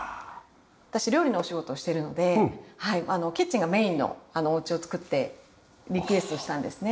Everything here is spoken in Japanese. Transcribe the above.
私料理のお仕事をしてるのでキッチンがメインのお家を造ってリクエストしたんですね。